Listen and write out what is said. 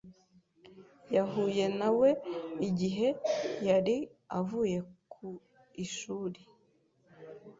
Nahuye na we igihe yari avuye ku ishuri.